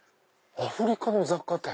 アフリカの雑貨店！